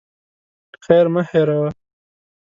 خير مه هېروه.